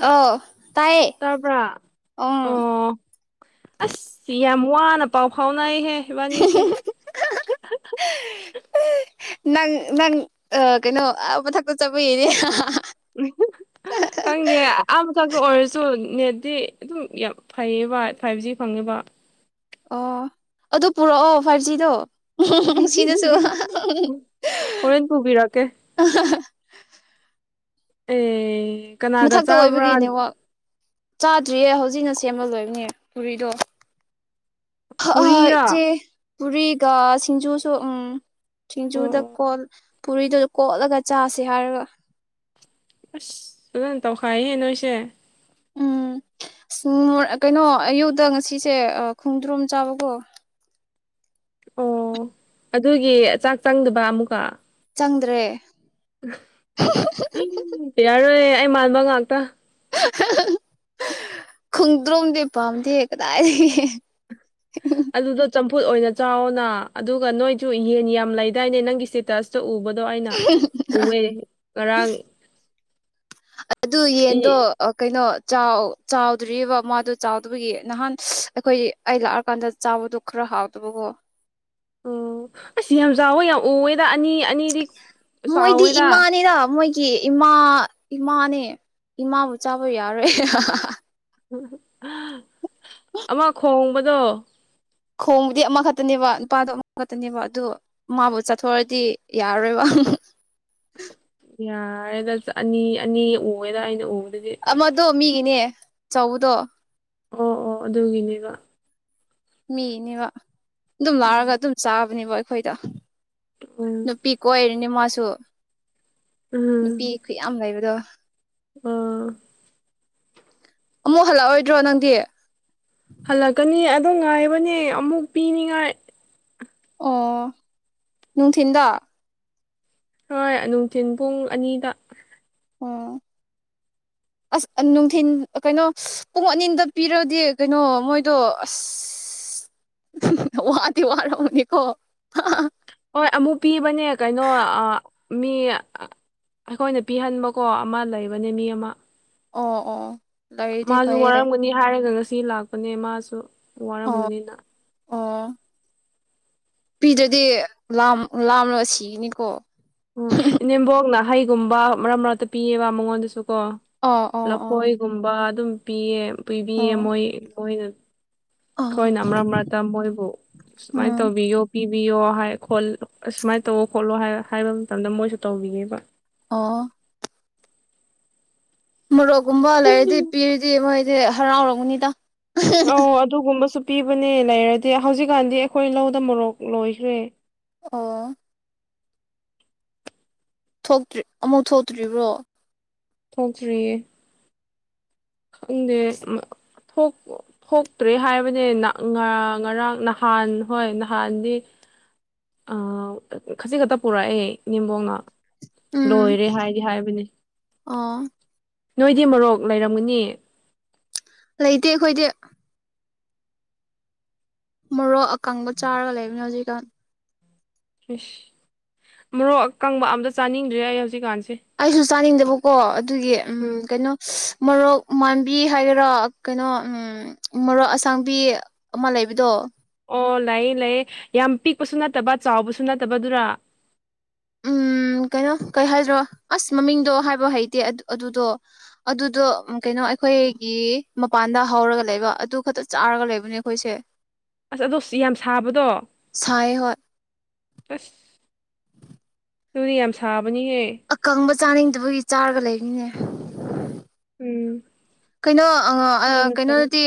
ꯑ ꯇꯥꯄ ꯑꯣ ꯑꯁ ꯌꯥꯝ ꯋꯥꯅ ꯄꯥꯎ ꯐꯥꯎꯅꯩꯍꯦ ꯕꯥꯅꯤꯁꯦ ꯅꯪ ꯅꯪ ꯀꯩꯅꯣ ꯑ ꯃꯊꯛꯇ ꯆꯠꯄ ꯏꯅꯦ ꯈꯪꯗꯦ ꯑ ꯃꯊꯛꯇ ꯑꯣꯏꯔꯁꯨ ꯅꯦꯠꯇꯠꯇꯤ ꯑꯗꯨꯝ ꯌꯥꯝ ꯐꯩꯌꯦꯕ ꯐꯥꯏꯚ ꯖꯤ ꯐꯪꯉꯦꯕ ꯑꯣ ꯑꯗꯨ ꯄꯨꯔꯛꯑꯣ ꯐꯥꯚꯖꯤꯗꯣ ꯎꯝ ꯁꯤꯅꯁꯨ ꯍꯣꯔꯦꯟ ꯄꯨꯕꯤꯔꯛꯀꯦ ꯑꯦ ꯀꯅꯥꯒ ꯃꯊꯛꯇ ꯆꯥꯕ꯭ꯔꯥ ꯑꯣꯏꯕꯒꯤꯅꯦꯋꯥꯛ ꯆꯥꯗ꯭ꯔꯤꯌꯦ ꯍꯧꯖꯤꯛꯅ ꯁꯦꯝꯕ ꯂꯣꯏꯕꯅꯦ ꯊꯨꯔꯤꯗꯣ ꯑ ꯄꯨꯔꯤꯔꯥ ꯏꯆꯦ ꯄꯨꯔꯤꯒ ꯁꯤꯡꯖꯨꯁꯨ ꯎꯝ ꯑꯣ ꯁꯤꯡꯖꯨꯗ ꯑꯣ ꯀꯣꯠ ꯄꯨꯔꯤꯗꯨ ꯀꯣꯠꯂꯒ ꯆꯥꯁꯦ ꯍꯥꯏꯔꯒ ꯑꯁ ꯐꯖꯅ ꯇꯧꯈꯥꯏꯍꯦ ꯅꯣꯏꯁꯦ ꯎꯝ ꯀꯩꯅꯣ ꯑꯌꯨꯗ ꯉꯁꯤꯁꯦ ꯈꯣꯡꯗ꯭ꯔꯣꯝ ꯆꯥꯕꯀꯣ ꯑꯣ ꯑꯗꯨꯒꯤ ꯆꯥꯛ ꯆꯪꯗꯕ ꯑꯃꯨꯛꯀ ꯆꯪꯗ꯭ꯔꯦ ꯌꯥꯔꯣꯏꯦ ꯑꯩ ꯃꯥꯟꯕ ꯉꯥꯛꯇ ꯈꯣꯡꯗ꯭ꯔꯣꯝꯗꯤꯦ ꯄꯥꯝꯗꯦ ꯀꯗꯥꯏꯗꯒꯤ ꯑꯗꯨ ꯆ ꯐꯨꯠ ꯑꯣꯏꯅ ꯆꯥꯎꯅ ꯑꯗꯨꯒ ꯅꯣꯏꯁꯨ ꯌꯦꯟ ꯌꯥꯝ ꯂꯩꯗꯥꯏꯅꯦ ꯅꯪꯒꯤ ꯏꯁꯇꯦꯇꯁꯇ ꯎꯕꯗ ꯑꯗꯣ ꯑꯩꯅ ꯎꯑꯦ ꯉꯔꯥꯡ ꯑꯗꯨ ꯏ ꯌꯦꯟꯗꯣ ꯀꯩꯅꯣ ꯆꯥꯎ ꯆꯥꯎꯗ꯭ꯔꯤꯕ ꯃꯥꯗꯨꯣ ꯆꯥꯎꯗꯕꯒꯤ ꯅꯍꯥꯟ ꯑꯩꯈꯣꯏ ꯑꯩ ꯂꯥꯛꯑꯀꯥꯟꯗ ꯆꯥꯕꯗꯣ ꯈꯔ ꯍꯥꯎꯗꯕꯨꯕꯣ ꯑꯣ ꯑꯁ ꯌꯥꯝ ꯆꯥꯎꯋꯦ ꯌꯥꯝ ꯎꯋꯦꯗ ꯑꯅꯤ ꯑꯅꯤꯗꯤ ꯆꯥꯎꯋꯦꯗ ꯀ ꯏꯃꯥ ꯏꯃꯥꯅꯦ ꯏꯃꯥꯕꯨ ꯆꯥꯕ ꯌꯥꯔꯣꯏ ꯑꯃ ꯈꯣꯡꯕꯗꯣ ꯈꯣꯡꯕꯨꯗꯤ ꯑꯃꯈꯛꯇꯅꯦꯕ ꯅꯨꯄꯥꯗꯣ ꯑꯃꯈꯛꯇꯅꯦꯕ ꯑꯗꯨ ꯃꯥꯕꯨ ꯆꯠꯊꯣꯛꯑꯗꯤ ꯌꯥꯔꯔꯣꯏꯕ ꯍ ꯌꯥꯔꯦꯗ ꯑꯅꯤ ꯑꯅꯤ ꯎꯑꯦꯗ ꯑꯩꯅ ꯎ ꯑꯃꯗꯣ ꯃꯤꯒꯤꯅꯦ ꯆꯗꯣ ꯑꯣ ꯑꯣ ꯑꯗꯨꯒꯤꯅꯦꯕ ꯃꯤꯅꯦꯕ ꯑꯗꯨꯝ ꯂꯥꯛꯑꯒ ꯑꯗꯨꯝ ꯆꯥꯕꯅꯦꯕ ꯑꯩꯈꯣꯏꯗ ꯎꯝ ꯅꯨꯄꯤ ꯀꯣꯏꯔꯅꯤ ꯃꯥꯁꯨ ꯅꯨꯄꯤ ꯈꯨꯌꯥꯝ ꯂꯩꯕꯗꯣ ꯑꯥ ꯑꯃꯨꯛ ꯍꯜꯂꯛꯑꯣꯏꯗ꯭ꯔꯣ ꯅꯪꯗꯤ ꯍꯜꯂꯛꯀꯅꯤ ꯑꯗꯣ ꯉꯥꯏꯕꯅꯦ ꯑꯃꯨꯛ ꯄꯤꯅꯤꯡꯉꯥꯏ ꯑꯣ ꯅꯨꯡꯊꯤꯟꯗ ꯍꯣꯏ ꯅꯨꯡꯊꯤꯤꯟ ꯄꯨꯡ ꯑꯅꯤꯗ ꯑꯣ [unintelligible] ꯑꯁ ꯅꯨꯡꯊꯤꯤꯟ ꯀꯩꯅꯣ ꯄꯨꯡ ꯑꯅꯤꯗ ꯄꯤꯔꯗꯤ ꯀꯩꯅꯣ ꯃꯣꯏꯗꯣ ꯑꯁ ꯋꯥꯗꯤ ꯋꯥꯔꯅꯤꯀꯣ ꯍꯣꯏ ꯑꯃꯨꯛ ꯄꯤꯕꯅꯦ ꯀꯩꯅꯣ ꯃꯤ ꯑꯩꯈꯣꯏꯅ ꯄꯤꯍꯟꯕꯀꯣ ꯑꯃ ꯂꯩꯕꯅꯦ ꯃꯤ ꯑꯃ ꯑꯣ ꯑꯣ ꯂꯩꯔꯗꯤ ꯃꯥꯁꯨ ꯐꯩꯌꯦ ꯋꯥꯔꯝꯒꯅꯤ ꯍꯥꯏꯔꯒ ꯉꯁꯤ ꯂꯥꯛꯄꯅꯦ ꯃꯥꯁꯨ ꯑꯣ ꯋꯥꯔꯝꯒꯅꯤꯅ ꯑꯣ ꯄꯤꯗ꯭ꯔꯗꯤ ꯂꯝ ꯂꯥꯝꯂꯒ ꯁꯤꯒꯅꯤꯀꯣ ꯎꯝ ꯏ ꯅꯦꯝꯕꯣꯛꯅ ꯍꯩꯒꯨꯝꯕ ꯃꯔꯛ ꯃꯔꯛꯇ ꯄꯤꯌꯦꯕ ꯃꯉꯣꯟꯗꯁꯨ ꯀꯣ ꯑꯣ ꯑꯣ ꯑꯣ ꯂꯐꯣꯏꯒꯨꯝꯕ ꯑꯗꯨꯝ ꯄꯤꯌꯦ ꯄꯤꯕꯤꯌꯦ ꯑꯣ ꯃꯣꯏ ꯃꯣꯏꯅ ꯑꯣ ꯑꯩꯈꯣꯏꯅ ꯃꯔꯛ ꯃꯔꯛꯇ ꯃꯣꯏꯕꯨ ꯁꯨꯃꯥꯏꯅ ꯎꯝ ꯇꯧꯕꯤꯌꯣ ꯄꯤ ꯕꯤꯌꯣ ꯍꯥꯏ ꯈꯣꯠ ꯑꯃꯥꯏꯅ ꯇꯧꯋꯣ ꯈꯣꯠꯂꯣ ꯍꯥꯏ ꯍꯥꯏꯕ ꯃꯇꯝꯗ ꯃꯣꯏꯁꯨ ꯇꯧꯕꯤꯌꯦꯦꯕ ꯑꯣ ꯃꯣꯔꯣꯛꯀꯨꯝꯕ ꯂꯩꯔꯗꯤ ꯄꯤꯔꯗꯤ ꯃꯣꯏꯗꯤ ꯍꯔꯥꯎꯔꯒꯅꯤꯗ ꯑꯣ ꯑꯗꯨꯒꯨꯝꯕ ꯁ ꯄꯤꯕꯅꯦ ꯂꯩꯔꯗꯤ ꯍꯧꯖꯤꯛꯀꯥꯟꯗꯤ ꯑꯩꯈꯣꯏ ꯂꯧꯗ ꯃꯣꯔꯣꯛ ꯂꯣꯏꯈ꯭ꯔꯦ ꯑꯣ ꯇ꯭ ꯑꯃꯨꯛ ꯊꯣꯛꯇ꯭ꯔꯤꯕ꯭ꯔꯣ ꯁꯣꯆꯔꯤꯦ ꯈꯪꯗꯦ ꯊꯣꯛ ꯊꯣꯛꯇ꯭ꯔꯦ ꯍꯥꯏꯕꯅꯦ ꯉꯔꯥꯡ ꯅꯍꯥꯟ ꯍꯣꯏ ꯅꯍꯥꯟꯗꯤ ꯈꯖꯤ ꯈꯛꯇ ꯄꯨꯔꯛꯑꯦ ꯅꯤꯝꯕꯣꯡꯅ ꯎꯝ ꯂꯣꯏꯔꯦ ꯍꯥꯏꯗꯤ ꯍꯥꯏꯕꯅꯤ ꯑꯣ ꯅꯣꯏꯗꯤ ꯃꯔꯣꯔꯣꯛ ꯂꯩꯔꯝꯒꯨꯅꯤ ꯂꯩꯇꯦ ꯑꯩꯈꯣꯏꯗꯤ ꯃꯣꯔꯣꯛ ꯑꯀꯪꯕ ꯆꯥꯔꯒ ꯂꯩꯕꯅꯤ ꯍꯧꯖꯤꯛꯀꯥꯟ ꯏꯁꯁ ꯃꯔꯣꯔꯣꯛ ꯑꯀꯪꯕ ꯑꯝꯇ ꯆꯥꯅꯤꯡꯗ꯭ꯔꯦ ꯑꯩ ꯍꯧꯖꯤꯛꯀꯥꯟꯁꯦ ꯑꯩꯁꯨ ꯆꯥꯅꯤꯡꯗꯕꯀꯣ ꯑꯗꯨꯒꯤ ꯎ ꯎꯝ ꯀꯩꯅꯣ ꯃꯣꯔꯣꯛ ꯎ ꯃꯥꯟꯕꯤ ꯍꯥꯏꯒꯦꯔꯥ ꯀꯩꯅꯣ ꯃꯣꯔꯣꯛ ꯑꯁꯥꯡꯕꯤ ꯑꯃ ꯂꯩꯕꯗꯣ ꯑꯣ ꯂꯩꯌꯦ ꯂꯩꯌꯦ ꯌꯥꯝ ꯄꯤꯛꯄꯁꯨ ꯅꯠꯇꯕ ꯆꯥꯎꯕꯁꯨ ꯅꯠꯇꯕ ꯑꯗꯨꯔ ꯎꯝ ꯀꯩꯅꯣ ꯀꯩ ꯍꯥꯏꯗ꯭ꯔꯣ ꯑꯁ ꯃꯃꯤꯡꯗꯣ ꯍꯥꯏꯕ ꯍꯩꯇꯦ ꯑꯗꯨꯗꯣ ꯑꯗꯨꯗꯣ ꯀꯩꯅꯣ ꯑꯩꯈꯣꯏꯒꯤ ꯃꯄꯥꯟꯗ ꯍꯧꯔꯒ ꯂꯩꯕ ꯑꯗꯨ ꯈꯛꯇ ꯆꯥꯔꯒ ꯂꯩꯕꯅꯦ ꯑꯩꯈꯣꯏꯁꯦ ꯑꯁ ꯑꯗꯣ ꯌꯥꯝ ꯁꯥꯕꯗꯣ ꯁꯥꯏ ꯍꯣꯏ ꯑꯁ ꯑꯗꯨꯗꯤ ꯌꯥꯝ ꯁꯥꯕꯅꯤꯍꯦ ꯑꯀꯪꯕ ꯆꯥꯅꯤꯡꯗꯕꯒꯤ ꯆꯥꯔꯒ ꯂꯩꯅꯤꯅꯦ ꯎꯝ ꯀꯩꯅꯣ ꯑ ꯑꯗꯨꯅ ꯐꯔꯦ ꯀꯩꯅꯣꯗꯗꯤ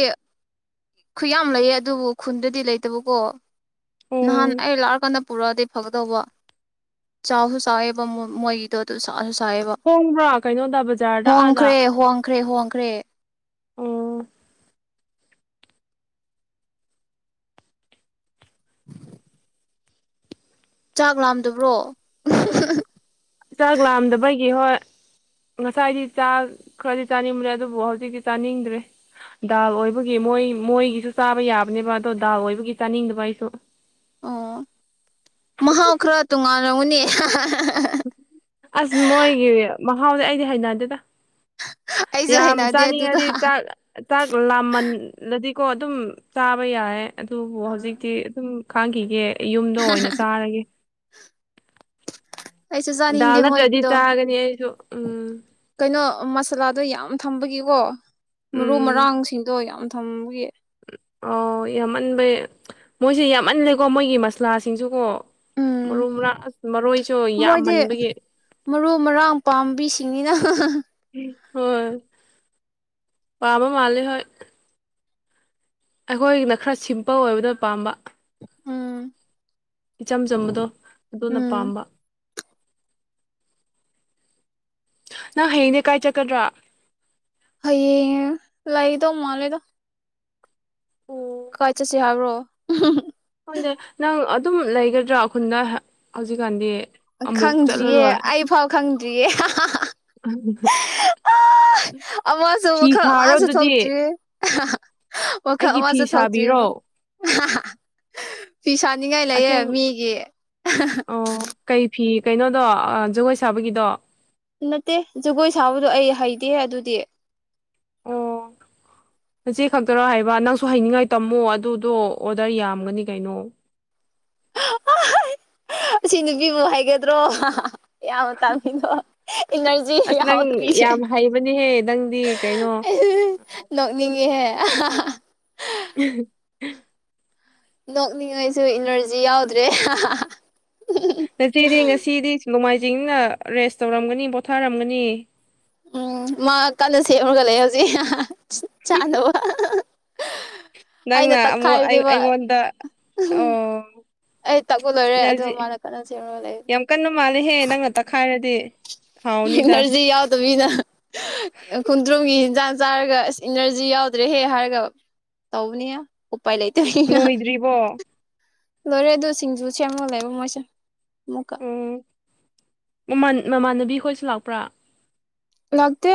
ꯈꯨ ꯌꯥꯝ ꯂꯩꯌꯦ ꯑꯗꯨꯕꯨ ꯈꯨꯟꯗꯗꯤ ꯂꯩꯇꯕꯀꯣ ꯑꯣ ꯅꯍꯥꯟ ꯑꯩ ꯂꯥꯛꯑꯀꯥꯟꯗ ꯄꯨꯔꯛꯑꯗꯤ ꯐꯛꯗꯧꯕ ꯆꯥꯛꯁꯨ ꯆꯥꯛꯑꯦꯕ ꯃꯣꯏꯒꯤꯗꯣ ꯑꯗꯨ ꯆꯥꯛꯁꯨ ꯕ ꯍꯣꯡꯕ꯭ꯔꯥ ꯀꯩꯅꯣꯗ ꯕꯖꯥꯔꯗ ꯍꯣꯡꯈ꯭ꯔꯦ ꯍꯣꯡꯈ꯭ꯔꯦ ꯍꯣꯡꯈ꯭ꯔꯦ ꯎ [unintelligible] ꯆꯥꯛ ꯂꯥꯝꯗꯕ꯭ꯔꯣ ꯆꯥꯛ ꯂꯥꯑꯝꯗꯕꯒꯤ ꯍꯣꯏ ꯉꯁꯥꯏꯗꯤ ꯆꯥ ꯈꯔꯗꯤ ꯆꯥꯅꯤꯡꯕ꯭ꯔꯦ ꯑꯗꯨꯕꯨ ꯍꯧꯖꯤꯛꯇꯤ ꯆꯥꯅꯤꯡꯗ꯭ꯔꯦ ꯗꯥꯜ ꯑꯣꯏꯕꯒꯤ ꯃꯣꯏ ꯃꯣꯏꯒꯤꯁꯨ ꯆꯥꯕ ꯌꯥꯕꯅꯦꯕ ꯑꯗꯣ ꯗꯥꯜ ꯑꯣꯏꯕꯒꯤ ꯆꯥꯅꯤꯡꯗꯕ ꯑꯩꯁꯨ ꯑꯣ ꯃꯍꯥꯎ ꯈꯔ ꯇꯣꯉꯥꯟꯅꯨꯅꯦ ꯑꯁ ꯃꯣꯏꯒꯤ ꯃꯍꯥꯎꯗꯤꯦ ꯑꯩꯗꯤ ꯍꯩꯅꯗꯦꯗ ꯑꯩꯁꯨ ꯌꯥꯝ ꯍꯩꯅꯗꯦ ꯑꯗꯨꯗ ꯆꯥꯅꯤꯡꯉꯗꯤ ꯆꯥꯛ ꯆꯥꯛ ꯂꯥꯃꯜꯂꯗꯤ ꯀꯣ ꯑꯗꯨꯝ ꯆꯥꯕ ꯌꯥꯔꯦ ꯑꯗꯨꯕꯨ ꯍꯧꯖꯤꯛꯇꯤ ꯑꯗꯨꯝ ꯈꯥꯡꯈꯤꯒꯦ ꯌꯨꯝꯗꯣ ꯑꯣꯏꯅ ꯆꯥꯔꯒꯦ ꯑꯩꯁꯨ ꯗꯥꯜ ꯆꯥꯅꯤꯡꯗꯦ ꯅꯠꯇ꯭ꯔꯗꯤ ꯃꯣꯏꯛꯇꯣ ꯆꯥꯒꯅꯤ ꯑꯩꯁꯨ ꯎꯝ ꯀꯩꯅꯣ ꯃꯁꯥꯂꯥꯗꯣ ꯌꯥꯝ ꯊꯝꯕꯒꯤꯀꯣ ꯃꯔꯨ ꯎꯝ ꯃꯔꯥꯡꯁꯤꯡꯗꯣ ꯌꯥꯝ ꯊꯝꯕꯒꯤ ꯑꯣ ꯌꯥꯝꯃꯟꯕꯩ ꯃꯣꯏꯁꯦ ꯌꯥꯝꯃꯜꯂꯦꯀꯣ ꯃꯣꯏꯒꯤ ꯃꯁꯂꯥꯁꯤꯡꯁꯨ ꯀꯣ ꯎꯝ ꯃꯔꯨ ꯃꯔꯥꯡ ꯑꯁ ꯃꯔꯣꯏꯁꯨ ꯃꯣꯏꯗꯤ ꯌꯥꯝꯃꯟꯕꯒꯤ ꯃꯔꯨ ꯃꯔꯥꯡ ꯄꯥꯝꯕꯤꯁꯤꯡꯅꯤꯅ ꯍꯣꯏ ꯑꯕ ꯃꯥꯂꯦ ꯍ ꯑꯩꯈꯣꯏꯅ ꯈꯔ ꯁꯤꯝꯄꯜ ꯑꯣꯏꯕꯅ ꯄꯥꯝꯕ ꯎꯝ ꯏꯆꯝ ꯆꯝꯕꯗꯣ ꯑꯗꯨꯣꯅ ꯎꯝ ꯄꯥꯝꯕ ꯅꯪ ꯍꯌꯦꯡꯅꯦꯀꯥꯏ ꯆꯠꯀꯗ꯭ꯔꯥ ꯑꯩꯌꯦ ꯂꯩꯥꯏꯗ ꯃꯥ ꯂꯩꯗ [unintelligible] ꯈꯪꯗꯦ ꯅꯪ ꯑꯗꯨꯝ ꯂꯩꯒꯗ꯭ꯔꯥ ꯈꯨꯈꯟꯗ ꯍꯧꯖꯤꯛꯀꯥꯟꯗꯤ ꯑꯃꯨꯛ ꯈꯪꯗ꯭ꯔꯤꯌꯦ ꯆꯠꯂꯔꯣꯏ ꯑꯩ ꯐꯥꯎ ꯈꯪꯗ꯭ꯔꯤꯌꯦ ꯑꯃꯁꯁꯨ ꯐꯤ ꯃꯈꯜ ꯁꯥꯔꯣ ꯑꯃꯁꯁꯨ ꯑꯗꯨꯗꯤ ꯊꯣꯛꯇ꯭ꯔꯤ ꯑꯣ ꯈ ꯑꯩꯒꯤ ꯐꯤ ꯑꯋꯥꯖ ꯊꯥꯎ ꯁꯥꯕꯤꯔꯣ ꯇꯕ ꯐꯤꯤꯁꯥꯅꯤꯡꯉꯥꯏ ꯂꯩꯌꯦ ꯑꯁꯦꯡ ꯃꯤꯒꯤ ꯑꯣ ꯀꯩ ꯐꯤ ꯀꯩꯅꯣꯗꯣ ꯖꯒꯣꯏ ꯁꯥꯕꯒꯤꯗꯣ ꯅꯠꯇꯦ ꯖꯒꯣꯏ ꯁꯥꯕꯗꯣ ꯑꯩ ꯍꯩꯗꯦ ꯑꯗꯨꯗꯤ ꯑꯣ ꯉꯆꯦ ꯈꯛꯇꯔꯣ ꯍꯥꯏꯕ ꯅꯪꯁꯨ ꯍꯥꯏꯅꯤꯡꯉꯥꯏ ꯇꯝꯃꯣ ꯑꯗꯨꯗꯣ ꯑꯣꯗꯔ ꯌꯥꯝꯒꯅꯤ ꯀꯩꯅꯣ [unintelligible] ꯑꯁꯤ ꯅꯨꯄꯤꯃꯨ ꯍꯥꯏꯒꯗ꯭ꯔꯣ ꯌꯥꯝ ꯇꯥꯡꯃꯤꯗꯣ ꯏꯅꯔꯖꯤ ꯑꯁ ꯅꯪ ꯌꯥꯎꯗ꯭ꯔꯤꯁꯦ ꯌꯥꯝ ꯍꯩꯕꯅꯦꯍꯦ ꯅꯪꯗꯤ ꯀꯩꯅꯣ ꯅꯣꯛꯅꯤꯡꯉꯍꯦ [unintelligible] ꯅꯣꯛꯅꯤꯡꯉꯩꯁꯨ ꯏꯅꯔꯖꯤ ꯌꯥꯎꯗ꯭ꯔꯦ ꯅꯆꯦꯗꯤ ꯉꯁꯤꯗꯤ ꯅꯣꯡꯃꯥꯏꯖꯤꯡꯅ ꯔꯦꯁ ꯇꯧꯔꯝꯒꯅꯤ ꯄꯣꯊꯥꯔꯝꯒꯅꯤ ꯎꯝ ꯃꯥ ꯀꯟꯅ ꯁꯦꯝꯃꯨꯔꯒ ꯂꯩ ꯍꯧꯖꯤꯛ ꯆꯥꯅꯕꯅꯕ ꯅꯪꯅ ꯑꯃꯨꯛ ꯑꯩ ꯑꯩꯉꯣꯟꯗ ꯑꯣ ꯑꯩ ꯇꯛꯄ ꯂꯣꯏꯔꯦ ꯑꯗꯣ ꯖꯤ ꯃꯥꯅ ꯀꯟꯅ ꯁꯦꯝꯃꯒ ꯂꯩ ꯌꯥꯝ ꯀꯟꯅ ꯃꯥꯜꯂꯦꯍꯦ ꯅꯪꯅ ꯇꯛꯈꯥꯏꯔꯗꯤ ꯍꯥꯎꯅꯤꯗ ꯃꯤꯅꯔꯖꯤꯤ ꯌꯥꯎꯗ ꯅꯥ ꯈꯨꯟꯗ꯭ꯔꯨꯒꯤ ꯆ ꯆꯥꯔꯒ ꯑꯁ ꯏꯅꯔꯖꯤ ꯌꯥꯎꯗ꯭ꯔꯦꯍꯦ ꯍꯥꯏꯔꯒ ꯇꯧꯕꯅꯤ ꯄꯥꯏꯂ ꯇ ꯍꯅ ꯂꯣꯏꯗ꯭ꯔꯤꯕꯣ ꯂꯣꯏꯔꯦ ꯑꯗꯨ ꯁꯤꯡꯖꯨ ꯁꯦꯝꯃꯣ ꯂꯩꯕ ꯃꯣꯏꯁꯦ ꯑꯃꯨꯛꯀ ꯑꯣ ꯃ ꯃꯃꯥꯟꯅꯕꯤ ꯈꯣꯏꯁꯨ ꯂꯥꯛꯄ꯭ꯔꯥ ꯂꯥꯛꯇ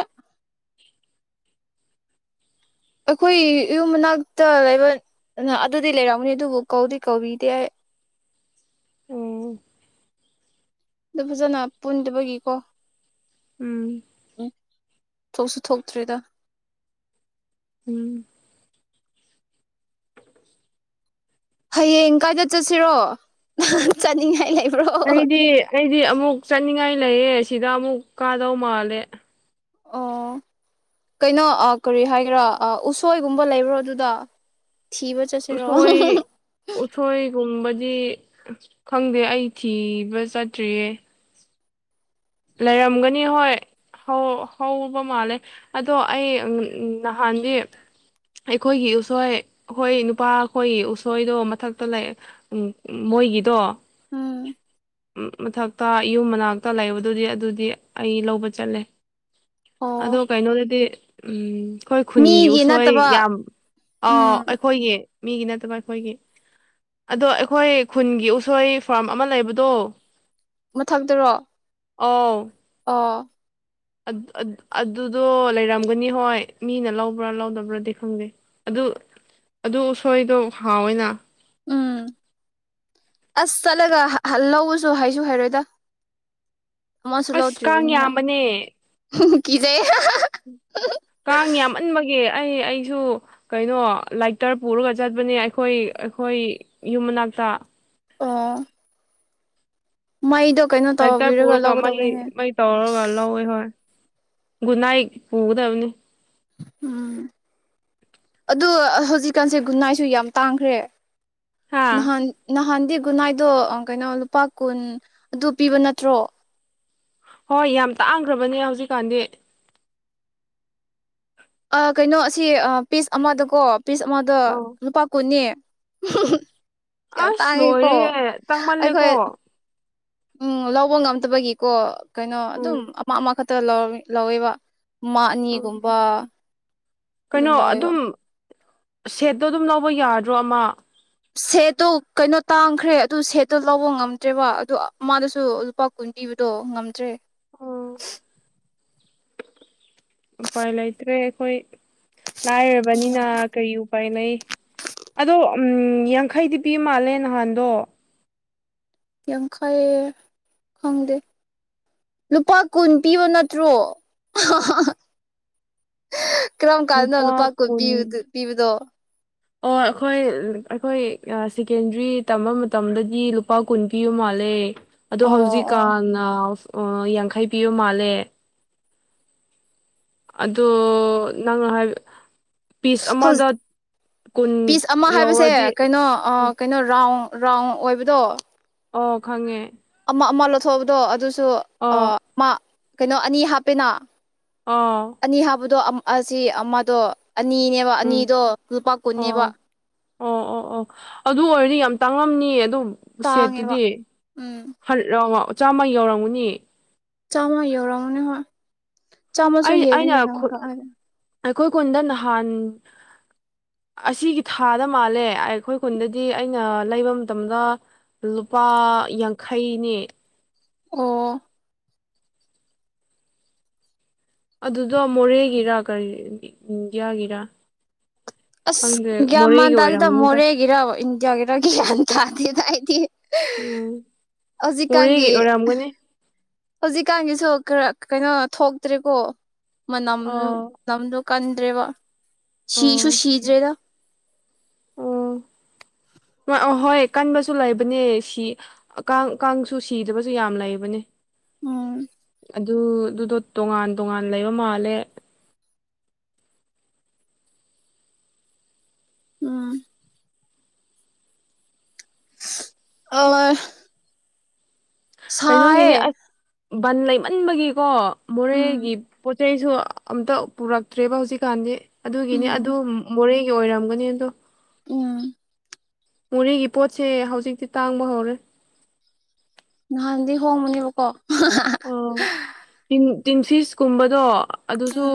ꯑꯩꯈꯣꯏ ꯌꯨꯝ ꯃꯅꯥꯛꯇ ꯂꯩꯕ ꯑ ꯑꯗꯨꯗꯤ ꯂꯩꯔꯝꯅꯤ ꯑꯗꯨꯕꯨ ꯀꯧꯗꯤ ꯀꯧꯕꯤꯗꯤꯦ ꯎ ꯑꯗꯨ ꯐꯖꯅ ꯄꯨꯟꯗꯕꯒꯤꯀꯣ ꯎꯝ ꯎꯝ ꯊꯣꯛꯁꯨ ꯊꯣꯛꯇ꯭ꯔꯔꯤꯗ ꯎꯝ ꯍꯌꯦꯡ ꯀꯥꯏꯗ ꯆꯠꯁꯤꯔꯣ ꯅꯍ ꯆꯠꯅꯤꯡꯉꯥꯏ ꯂꯩ ꯑꯩꯗꯤ ꯑꯩꯗꯤ ꯑꯃꯨꯛ ꯆꯠꯅꯤꯡꯉꯥꯏ ꯂꯩꯌꯦ ꯁꯤꯗ ꯑꯃꯨꯛ ꯀꯥꯗꯧ ꯃꯥꯜꯂꯦ ꯑꯣ ꯀꯩꯅꯣ ꯀꯔꯤ ꯍꯥꯏꯒ꯭ꯔꯥ ꯎꯁꯣꯏꯒꯨꯝꯕ ꯂꯩꯕ꯭ꯔꯣ ꯑꯗꯨꯗ ꯊꯕ ꯆ ꯁꯦꯔꯣ ꯊꯨꯝꯕꯗꯤ ꯈꯪꯗꯦ ꯑꯁꯤ ꯑꯩ ꯊꯤꯕ ꯆꯠꯇ꯭ꯔꯤꯌꯦ ꯂꯩꯔꯝꯒꯅꯤ ꯍꯣꯏ ꯍ ꯍꯧꯕ ꯃꯥꯜꯂꯦ ꯑꯗꯣ ꯑꯩ ꯅꯍꯥꯟꯗꯤ ꯑꯩꯈꯣꯏꯒꯤ ꯎꯁꯣꯏ ꯑꯩꯈꯣꯏ ꯅꯨꯄꯥ ꯑꯩꯈꯣꯏꯒꯤ ꯎꯁꯣꯏꯗꯣ ꯃꯊꯛꯇ ꯂꯩ ꯃꯣꯏꯒꯤꯗꯣ ꯎꯝ ꯃꯊꯛꯇ ꯑꯁꯤ ꯌꯨꯝ ꯃꯅꯥꯛꯇ ꯂꯩꯕꯗꯨꯗꯤ ꯑꯗꯨꯗꯤ ꯑꯩ ꯂꯧꯕ ꯆꯠꯂꯦ ꯑꯣ ꯑꯗꯣ ꯀꯩꯅꯣꯗꯗꯤ ꯎꯝ ꯑꯩꯈꯣꯏ ꯈꯨꯟꯒꯤ ꯃꯤꯒꯤ ꯎꯁꯣꯏ ꯅꯠꯇꯕ ꯌꯥꯝ ꯑ ꯎꯝ ꯑꯩꯈꯣꯏꯒꯤ ꯃꯤꯒꯤ ꯅꯠꯇꯕ ꯑꯩꯈꯣꯏꯒꯤ ꯑꯗꯣ ꯑꯩꯈꯣꯏ ꯈꯨꯟꯒꯤ ꯎꯁꯣꯏ ꯐꯥꯔꯝ ꯑꯃ ꯂꯩꯕꯗꯣ ꯃꯊꯛꯇꯔꯣ ꯑꯥ ꯑꯥ ꯑꯗꯨꯗꯣ ꯂꯩꯔꯝꯒꯅꯤ ꯍꯣꯏ ꯃꯤꯅ ꯂꯧꯕ꯭ꯔꯥ ꯂꯧꯗꯕ꯭ꯔꯥꯗꯤ ꯈꯪꯖꯩ ꯑꯗꯨ ꯑꯗꯨ ꯎꯁꯣꯏꯗꯣ ꯍꯥꯎꯋꯅ ꯎꯝ ꯑꯁ ꯆꯠꯂꯒ ꯂꯧꯎꯁꯨ ꯍꯥꯏꯁꯨ ꯍꯥꯏꯔꯣꯏꯗ ꯃꯥꯏꯁꯨꯂ ꯎ ꯑꯁ ꯀꯥꯡ ꯊ꯭ꯔꯤꯕꯅꯤꯅ ꯀꯖ ꯎꯝ ꯀꯥꯡ ꯌꯥꯝꯃꯟꯕꯒꯤ ꯑꯩ ꯑꯩꯁꯨ ꯀꯩꯅꯣ ꯂꯥꯏꯇꯔ ꯄꯨꯔꯒ ꯆꯠꯄꯅꯦ ꯑꯩꯈꯣꯏ ꯑꯩꯈꯣꯏ ꯌꯨꯝ ꯃꯅꯥꯛꯇ ꯑꯥ ꯃꯩꯗ ꯂꯥꯏ ꯇꯔ ꯄꯔ ꯀ ꯑꯃꯥꯏ ꯃ ꯇꯧꯔꯒꯜꯂ ꯍ ꯒꯨꯅꯥꯏ ꯐꯗ ꯑꯣꯅꯤ ꯎꯝ ꯑ ꯍꯧꯖꯤꯛꯀꯥꯟꯁꯦ ꯒꯨꯟꯅꯥꯏꯁꯨ ꯌꯥꯝ ꯇꯥꯡꯈ꯭ꯔꯦ ꯍꯥ ꯅꯍꯥꯟ ꯅꯍꯥꯟꯗꯤ ꯈꯨꯟꯅꯥꯏꯗꯣ ꯀꯩꯅꯣ ꯂꯨꯄꯥ ꯀꯨꯟ ꯑꯗꯨ ꯄꯤꯕ ꯅꯠꯇ꯭ꯔꯣ ꯍꯣꯏ ꯌꯥꯝ ꯇꯥꯡꯈ꯭ꯔꯕꯅꯦ ꯍꯧꯖꯤꯛꯀꯥꯟꯗꯤ ꯀꯩꯅꯣ ꯑꯁꯤ ꯄꯤꯁ ꯑꯃꯗꯀꯣ ꯄꯤꯁ ꯑꯃꯗ ꯑꯧ ꯂꯨꯄꯥ ꯀꯨꯟꯅꯤ ꯌꯥꯝ ꯑꯁ ꯇꯥꯡꯉꯤꯀꯣ ꯂꯣꯏꯔꯦ ꯑꯩꯈꯣꯏ ꯇꯥꯡꯃꯜꯂꯦꯀꯣ ꯎꯝ ꯂꯧꯕ ꯉꯝꯗꯕꯒꯤꯀꯣ ꯀꯩꯅꯣ ꯑꯗꯨꯝ ꯎꯝ ꯑꯃ ꯑꯃ ꯈꯛꯇ ꯂꯧꯋꯦꯕ ꯎꯝ ꯃꯥꯅꯤꯒꯨꯝꯕ ꯑꯗꯨꯝ ꯂꯧꯋꯦꯕ ꯁꯦꯠꯇꯣ ꯑꯗꯨꯝ ꯂꯧꯕ ꯌꯥꯗ꯭ꯔꯣ ꯑꯃ ꯁꯦꯠꯇꯣ ꯀꯩꯅꯣ ꯇꯥꯡꯈ꯭ꯔꯦ ꯑꯗꯨ ꯁꯦꯠꯇꯣ ꯂꯧꯕ ꯉꯝꯗ꯭ꯔꯦꯕ ꯑꯗꯨ ꯃꯥꯗꯁꯨ ꯂꯨꯄꯥ ꯀꯨꯋꯟꯇꯤ ꯄꯕꯗꯣ ꯉꯝꯗ꯭ꯔꯦ ꯑꯣ ꯎꯄꯥꯏ ꯂꯩꯇ꯭ꯔꯦ ꯑꯩꯈꯣꯏ ꯂꯥꯏꯔꯕꯅꯤꯅ ꯀꯔꯤ ꯎꯄꯥꯏ ꯂꯩꯩ ꯑꯗꯣ ꯎꯝ ꯌꯥꯡꯈꯩꯗꯤ ꯄꯤ ꯃꯥꯜꯂꯦ ꯅꯍꯥꯟꯗꯣ ꯌꯡꯈꯥꯏ ꯈꯣꯡꯗꯦ ꯂꯨꯄꯥ ꯀꯨꯟ ꯄꯤꯕ ꯅꯠꯇ꯭ꯔꯣ [unintelligible] ꯀꯔꯝ ꯀꯥꯟꯗꯅꯣ ꯂꯨꯄꯥ ꯂꯨꯄꯥꯀ ꯀꯨꯟ ꯄꯤꯕꯗꯣ ꯑꯣ ꯑꯩꯈꯣꯏ ꯑꯩꯈꯣꯏ ꯁꯦꯀꯦꯟꯗ꯭ꯔꯤ ꯇꯝꯕ ꯃꯇꯝꯗꯗꯤ ꯂꯨꯄꯥ ꯀꯨꯟ ꯄꯤꯌꯨ ꯃꯥꯜꯂꯦ ꯃꯥꯂꯦ ꯑꯗ ꯑꯣ ꯑꯣ ꯍꯧꯖꯤꯛꯀꯥꯟ ꯌꯥꯡꯈꯩ ꯄꯤꯕ ꯃꯥꯜꯂꯦ ꯑꯗꯣ ꯅꯪ ꯍꯥꯏ ꯄꯤꯁ ꯑꯃꯗ ꯍꯧꯖꯤꯛ ꯀꯨꯟ ꯄꯤꯁ ꯑꯃ ꯍꯥꯏꯕꯁꯦ ꯌꯧꯔꯗꯤ ꯀꯩꯅꯣ ꯀꯩꯅꯣ ꯔꯥꯎꯟ ꯔꯥꯎꯟ ꯑꯣꯏꯕꯗꯣ ꯑꯣ ꯈꯪꯉꯦ ꯑꯃ ꯑꯃ ꯂꯧꯊꯣꯛꯕꯗꯣ ꯑꯗꯨꯁꯨ ꯑꯣ ꯃꯥ ꯀꯩꯅꯣ ꯑꯅꯤ ꯍꯥꯞꯄꯦꯅ ꯑꯣ ꯑꯅꯤ ꯍꯥꯕꯗꯣ ꯑꯃꯑ ꯑꯁꯤ ꯑꯃꯗꯣ ꯑꯅꯤꯅꯦꯕ ꯎꯝ ꯑꯅꯤꯗꯣ ꯂꯨꯄꯥ ꯑꯣ ꯀꯨꯟꯅꯦꯕ ꯑꯣ ꯑꯣ ꯑꯣ ꯑꯗꯨ ꯑꯣꯏꯔꯗꯤ ꯌꯥꯝ ꯇꯥꯡꯉꯝꯅꯤ ꯑꯗꯨ ꯇꯥꯡꯉꯦꯕ ꯁꯦꯠꯇꯨꯗꯤ ꯎꯝ ꯆꯥꯝꯃ ꯌꯧꯔꯝꯒꯨꯅꯤ ꯆꯥꯝꯃ ꯌꯧꯔꯝꯃꯅꯦ ꯍꯣꯏ ꯆꯥꯝꯃꯁꯨ ꯑꯩ ꯑꯩꯅ ꯍꯦꯁꯤꯅ ꯍꯦꯜꯂꯝ ꯀꯛꯗꯅ ꯑꯩꯈꯣꯏ ꯀꯣꯟꯗ ꯅꯍꯥꯟ ꯑꯁꯤꯒꯤ ꯊꯥꯗ ꯃꯥꯜꯂꯦ ꯑꯩꯈꯣꯏ ꯈꯨꯟꯗꯗꯤ ꯑꯩꯅ ꯂꯩꯕ ꯃꯇꯝꯗ ꯂꯨꯄꯥ ꯌꯥꯡꯈꯩꯅꯤ ꯑꯣ ꯑꯗꯨꯗꯣ ꯃꯣꯔꯦꯒꯤꯔ ꯀꯔꯤ ꯏꯟꯗꯤꯌꯥꯒꯤꯔꯥ ꯑꯁ ꯈꯪꯗꯦ ꯒꯃ ꯃꯣꯔꯦꯒꯤ ꯇꯥꯗꯗ ꯑꯣꯏꯔꯝꯅꯤꯗ ꯃꯣꯔꯦꯒꯤ ꯒꯤꯔ ꯏꯟꯗꯤꯌꯥꯒꯤꯔꯒ ꯒꯤ ꯇꯗꯗꯥꯏꯇ ꯎꯝ ꯃꯣꯔꯦꯒꯤ ꯍꯧꯖꯤꯛꯀꯒꯤ ꯑꯣꯏꯔꯝꯒꯅꯤ ꯍꯧꯖꯤꯛꯀꯥꯟꯒꯤꯁꯨ ꯈꯔ ꯀꯩꯅꯣ ꯊꯣꯛꯇ꯭ꯔꯦꯀꯣ ꯃꯅꯝ ꯑꯥ ꯅꯝ ꯀꯟꯗꯔꯦꯕ ꯁꯤꯤꯁꯨꯨ ꯁꯤꯤꯖꯔꯦꯗ ꯑ ꯑ ꯍꯣꯏ ꯀꯟꯕꯁꯨ ꯂꯩꯕꯅꯦ ꯁꯤ ꯀꯥꯡ ꯀꯥꯡꯁꯨ ꯁꯤꯗꯕꯁꯨ ꯌꯥꯝ ꯂꯩꯕꯅꯦ ꯑ ꯑꯗꯨꯗꯨꯗꯣ ꯇꯣꯉꯥꯟ ꯇꯣꯉꯥꯟ ꯂꯩꯕ ꯃꯥꯜꯂꯦ ꯎꯝ ꯑꯣ ꯀꯩꯅꯣꯒꯤꯅꯤ ꯁꯑ ꯑꯁ ꯕꯟ ꯂꯩꯃꯟꯕꯒꯤꯀꯣ ꯎꯝ ꯃꯣꯔꯦꯒꯤ ꯄꯣꯠ ꯁꯤꯁꯨ ꯑꯝꯇ ꯄꯨꯔꯛꯇ꯭ꯔꯦꯕ ꯍꯧꯖꯤꯛꯀꯥꯟꯗꯤ ꯑꯗꯨꯒꯤꯅꯤ ꯑꯗꯨ ꯎꯝ ꯃꯣꯔꯦ ꯑꯣꯏꯔꯝꯒꯅꯤ ꯑꯗꯣ ꯎꯝ ꯃꯣꯔꯦꯒꯤ ꯄꯣꯠꯁꯦ ꯍꯧꯖꯤꯛꯇꯤ ꯇꯥꯡꯕ ꯍꯧꯔꯦ ꯅꯍꯥꯟꯗꯤ ꯍꯣꯡꯉꯃꯅꯤꯕꯀꯣ ꯑꯣ ꯇꯤꯡꯐꯤꯁꯀꯨꯝꯕꯗꯣ ꯑꯗꯨꯁꯨ ꯎꯝ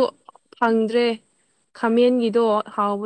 ꯐꯪꯗ꯭ꯔꯦ ꯈꯥꯃꯦꯟꯒꯤꯗꯣ ꯍꯥꯎꯕ